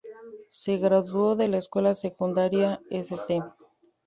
Se graduó de la Escuela Secundaria St.